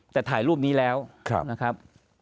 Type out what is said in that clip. แต่ถ่ายรูปนี้แล้วนะครับ